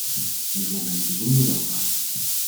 Hiervoor ben ik bijzonder dankbaar.